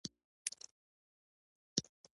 د دې لپاره چې پیشو یا بل شی ور نه شي.